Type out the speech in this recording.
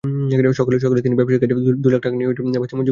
সকালে তিনি ব্যবসায়িক কাজে দুই লাখ টাকা নিয়ে বাসে মুন্সিগঞ্জ যাচ্ছিলেন।